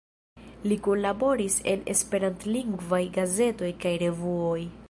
Li kunlaboris en esperantlingvaj gazetoj kaj revuoj.